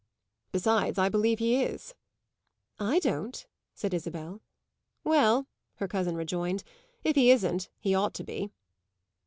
Besides, I believe he is." "I don't," said Isabel. "Well," her cousin rejoined, "if he isn't he ought to be!"